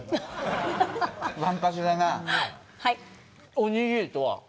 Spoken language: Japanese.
おにぎりとは？